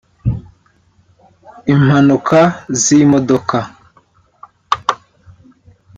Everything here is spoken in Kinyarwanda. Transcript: impanuka z’imodoka